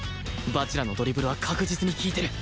蜂楽のドリブルは確実に効いてる！